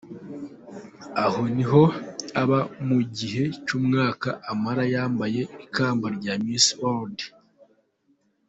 Aho niho aba mu gihe cy’umwaka amara yambaye ikamba rya Miss World.